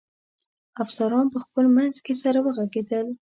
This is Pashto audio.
افسران په خپل منځ کې سره و غږېدل.